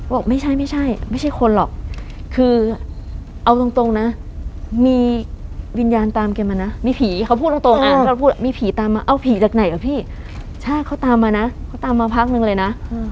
บอกไม่ใช่ไม่ใช่ไม่ใช่คนหรอกคือเอาตรงนะมีวิญญาณตามเกี่ยวมานะมีผีเขาพูดตรงอ่ะ